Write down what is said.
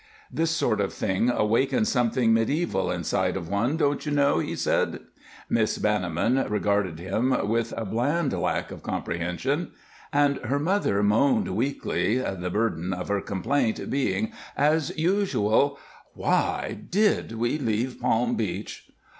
"This sort of thing awakens something medieval inside of one, don't you know," he said. Miss Banniman regarded him with a bland lack of comprehension; her mother moaned weakly, the burden of her complaint being, as usual: "Why did we leave Palm Beach?"